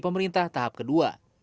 pemerintah tahap kedua